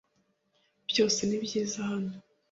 Byose ni byiza hano?